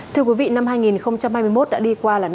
thưa quý vị năm hai nghìn hai mươi một đã đi qua lành